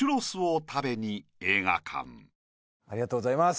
ありがとうございます。